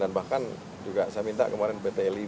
dan bahkan juga saya minta kemarin btlib untuk melakukan